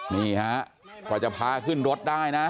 นี่ฮะกว่าจะพาขึ้นรถได้นะ